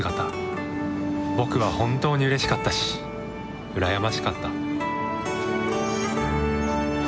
僕は本当にうれしかったし羨ましかった。